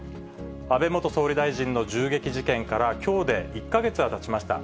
安倍元総理大臣の銃撃事件から、きょうで１か月がたちました。